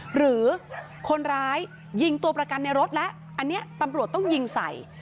หรือคนร้ายยิงตัวประกันในรถแล้วอันนี้ตำรวจต้องยิงใส่